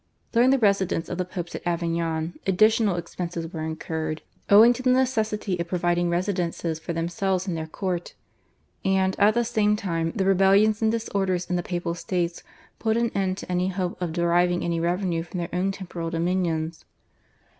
During the residence of the Popes at Avignon additional expenses were incurred owing to the necessity of providing residences for themselves and their court, and, at the same time, the rebellions and disorders in the Papal States put an end to any hope of deriving any revenue from their own temporal dominions.